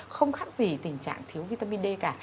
không khác gì tình trạng thiếu vitamin d cả